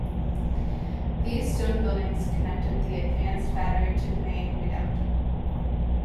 These stone buildings connected the advanced battery to the main redoubt.